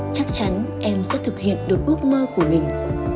chắc chắn em sẽ thực hiện được ước mơ của mình